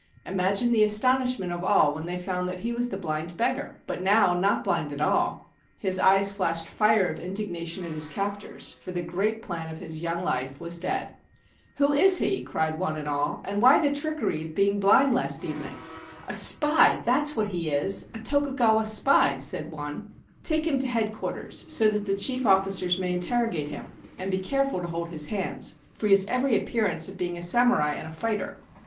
Imagine the astonish ment of all when they found that he was the blind beggar, but now not blind at all ; his eyes flashed fire of indigna tion at his captors, for the great plan of his young life was dead. ' Who is he ?' cried one and all, ' and why the trickery of being blind last evening ?'' A spy — that is what he is ! A Tokugawa spy/ said one. c Take him to Headquarters, so that the chief officers may interrogate him ; and be careful to hold his hands, for he has every appearance of being a samurai and a fighter.'